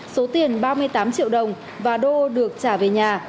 số tiền ba mươi tám triệu đồng và đô được trả về nhà